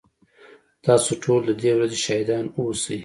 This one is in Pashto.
تاسو ټول ددې ورځي شاهدان اوسئ